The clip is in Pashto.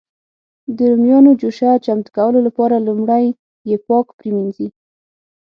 د رومیانو جوشه چمتو کولو لپاره لومړی یې پاک پرېمنځي.